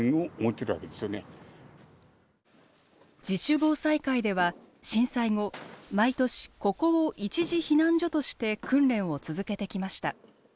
自主防災会では震災後毎年ここを一時避難所として訓練を続けてきました。